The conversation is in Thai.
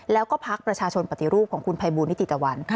แล้วก็พักประชาชนปฏิรูปของคุณภัยบูลนิติตะวัน